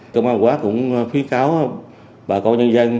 công an quá cũng khuyến cáo bà con nhân dân